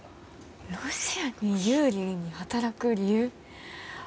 ロシアに有利に働く理由？